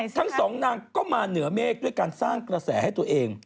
ทั้งสองนางก็มาเหนือเมฆด้วยการสร้างกระแสให้ตัวเอง